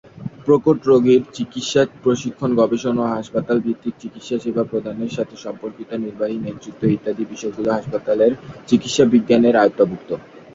প্রকট রোগীর চিকিৎসা, প্রশিক্ষণ, গবেষণা ও হাসপাতাল-ভিত্তিক চিকিৎসাসেবা প্রদানের সাথে সম্পর্কিত নির্বাহী নেতৃত্ব, ইত্যাদি বিষয়গুলি হাসপাতাল চিকিৎসাবিজ্ঞানের আওতাভুক্ত।